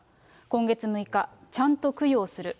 今月６日、ちゃんと供養する。